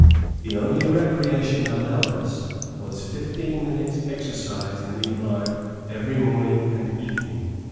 The only recreation allowed us was fifteen minutes' exercise in the yard every morning and evening.